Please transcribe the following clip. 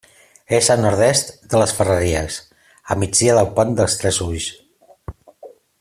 És al nord-est de les Ferreries, a migdia del Pont dels Tres Ulls.